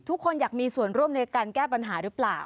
ทุกคนอยากมีส่วนร่วมในการแก้ปัญหาหรือเปล่า